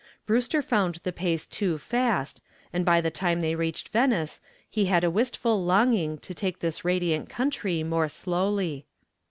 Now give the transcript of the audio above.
Brewster found the pace too fast and by the time they reached Venice he had a wistful longing to take this radiant country more slowly.